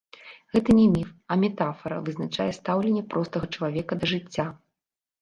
Гэта не міф, а метафара, вызначае стаўленне простага чалавека да жыцця.